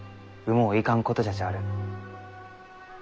もういかんことじゃちある。